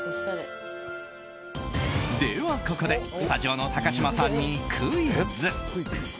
では、ここでスタジオの高嶋さんにクイズ。